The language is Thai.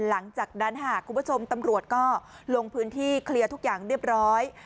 หลังจากนั้นค่ะคุณผู้ชมตำรวจก็ลงพื้นที่เคลียร์ทุกอย่างเรียบร้อย